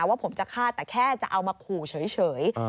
ว่าผมจะฆ่าแต่แค่จะเอามาขู่เฉย